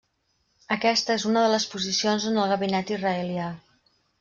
Aquesta és una de les posicions en el gabinet israelià.